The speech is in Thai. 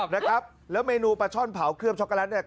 แล้วเมนูปะช้อนเผอวเคลือบช็อคโกะลัด